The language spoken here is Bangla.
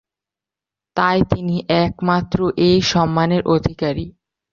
তাই তিনিই একমাত্র এই সম্মানের অধিকারী।